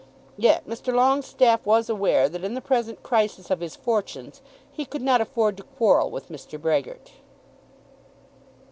Yet Mr. Longestaffe was aware that in the present crisis of his fortunes he could not afford to quarrel with Mr. Brehgert.